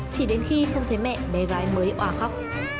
chỉ đến khi không thấy mẹ bé gái mới òa khóc